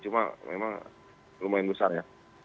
cuma memang lumayan besar ya